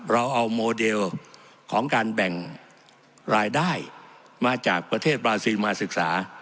เราเอาโมเดลของการแบ่งรายได้มาจากประเทศบราซิลมาศึกษา